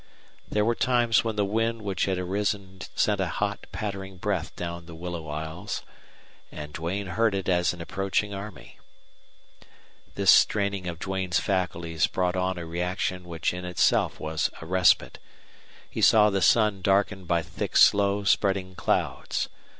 There were times when the wind which had arisen sent a hot, pattering breath down the willow aisles, and Duane heard it as an approaching army. This straining of Duane's faculties brought on a reaction which in itself was a respite. He saw the sun darkened by thick slow spreading clouds.